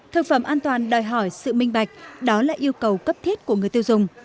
thực phẩm an toàn đòi hỏi sự minh bạch đó là yêu cầu cấp thiết của người tiêu dùng